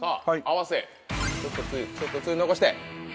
ちょっとつゆ残して。